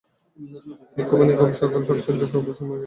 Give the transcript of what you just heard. খুবানী, গম ও সকল শাক-সবজি সময়ের পূর্বেই কেটে তুলে নিয়ে যায়।